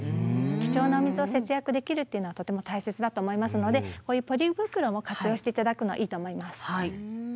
貴重なお水を節約できるっていうのはとても大切だと思いますのでこういうポリ袋も活用して頂くのはいいと思います。